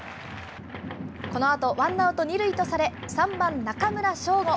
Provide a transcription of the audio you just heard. このあとワンアウト２塁とされ、３番中村奨吾。